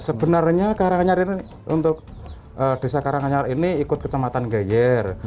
sebenarnya karanganyar ini untuk desa karanganyar ini ikut kecamatan geyer